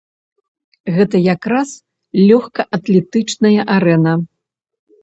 Гэта якраз лёгкаатлетычная арэна.